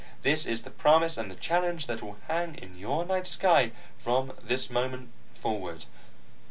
This is the promise and the challenge that will hang in your night sky from this moment forward.